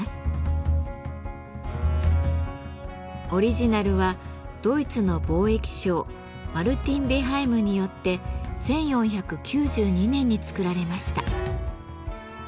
オリジナルはドイツの貿易商マルティン・ベハイムによって１４９２年に作られました。